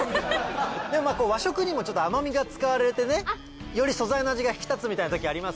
でも和食にも甘味が使われてねより素材の味が引き立つみたいな時ありますから。